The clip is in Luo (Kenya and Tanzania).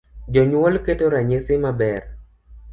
Jonyuol keto ranyisi maber.